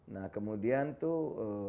nah kemudian tuh